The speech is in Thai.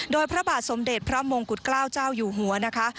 โดยพระบาทสมเด็จพระมงกุฎเกล้าเจ้าอยู่หัวนะคะ